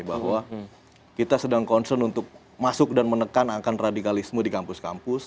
bahwa kita sedang concern untuk masuk dan menekan akan radikalisme di kampus kampus